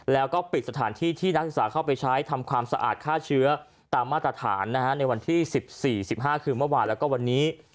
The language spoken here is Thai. แล้วก็ปิดสถานที่ที่นักศึกษาเข้าไปใช้ทำความสะอาดฆ่าเชื้อตามมาตรฐานในวันที่๑๔๑๕คือเมื่อวานแล้วก็วันนี้